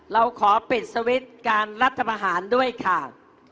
เราขอปิดสวิตช์การรัฐประหารด้วยค่ะ